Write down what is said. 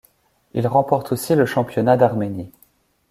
Il remporte aussi le championnat d'Arménie.